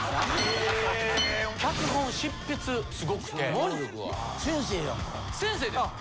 脚本執筆すごくて。